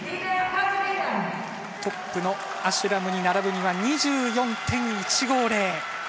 トップのアシュラムに並ぶには２４．１５０。